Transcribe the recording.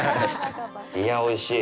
いや、おいしい。